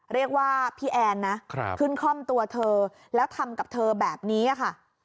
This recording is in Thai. เรียกว่าพี่แอนนะขึ้นคล่อมตัวเธอแล้วทำกับเธอแบบนี้ค่ะ